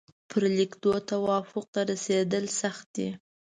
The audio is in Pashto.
پر لیکدود توافق ته رسېدل سخت دي.